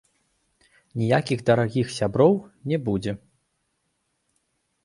Ніякіх дарагіх сяброў не будзе.